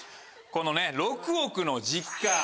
この６億の実家。